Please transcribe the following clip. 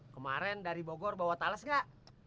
kemaren dari bogor bawa tales gak